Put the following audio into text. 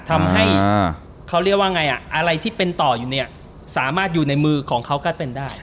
ทำให้เขาเรียกว่าไงอ่ะอะไรที่เป็นต่ออยู่เนี่ยสามารถอยู่ในมือของเขาก็เป็นได้